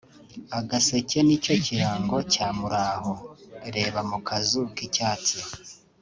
Agaseke nicyo kirango cya Muraho(reba mu kazu k'icyatsi)